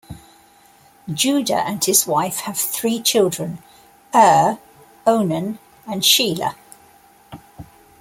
Judah and his wife have three children, Er, Onan, and Shelah.